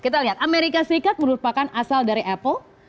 kita lihat amerika serikat merupakan asal dari apple